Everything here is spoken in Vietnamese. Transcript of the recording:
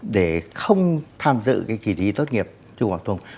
để không tham dự cái kỳ thi tốt nghiệp trung học thông